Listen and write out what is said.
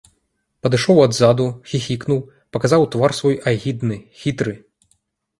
Падышоў адзаду, хіхікнуў, паказаў твар свой агідны, хітры.